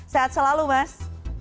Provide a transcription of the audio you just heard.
sehat selalu mas